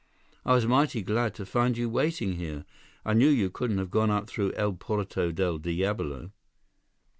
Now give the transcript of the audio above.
I was mighty glad to find you waiting here. I knew you couldn't have gone up through El Porto Del Diablo."